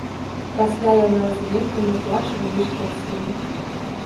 Пасля яна з енкам і плачам выйшла к сыну.